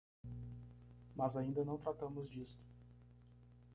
Mas ainda não tratamos disto.